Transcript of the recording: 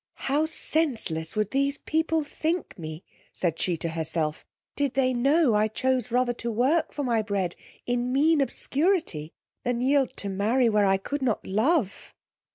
How senseless would these people think me, said she to herself, did they know I chose rather to work for my bread in mean obscurity, than yield to marry where I could not love.